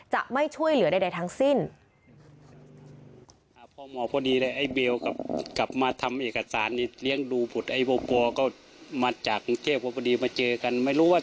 จะไม่ช่วยเหลือใดทั้งสิ้น